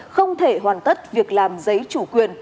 không thể hoàn tất việc làm giấy chủ quyền